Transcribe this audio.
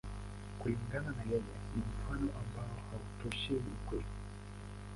Kulingana na yeye, ni mfano ambao hautoshei ukweli.